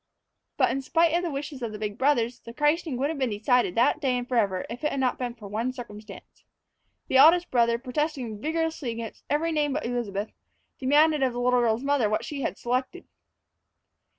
But, in spite of the wishes of the big brothers, the christening would have been decided that day and forever if it had not been for one circumstance. The eldest brother, protesting vigorously against every name but Elizabeth, demanded of the little girl's mother what she had selected.